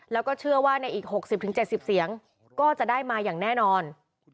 แล้วก็เชื่อว่าในอีก๖๐๗๐เสียงก็จะได้มาอย่างแน่นอน